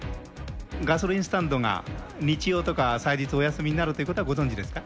ガソリンスタンドが日曜とか祭日、お休みになるということはご存じですか？